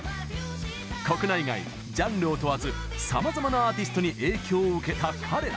国内外、ジャンルを問わずさまざまなアーティストに影響を受けた彼ら。